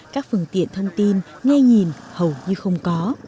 các phương tiện thông tin nghe nhìn hầu như không có